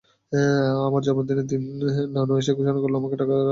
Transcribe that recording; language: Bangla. আমার জন্মদিনের দিন নানু এসে ঘোষণা করল, আমাকে টাক করে দেওয়া হবে।